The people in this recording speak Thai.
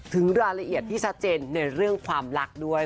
ถึงรายละเอียดที่ชัดเจนในเรื่องความรักด้วย